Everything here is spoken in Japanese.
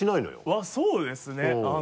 あっそうですね。